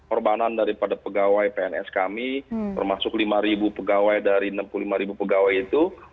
orbanan daripada pegawai pns kami termasuk lima pegawai dari enam puluh lima ribu pegawai itu